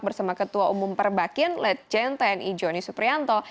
bersama ketua umum perbakian legend tni johnny suprianto